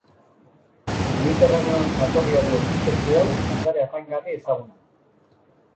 Mediterraneoan jatorria duen espezie hau landare apaingarri ezaguna da.